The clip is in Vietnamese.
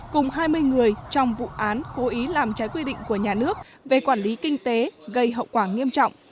cùng hai mươi người trong vụ án cố ý làm trái quy định của nhà nước về quản lý kinh tế gây hậu quả nghiêm trọng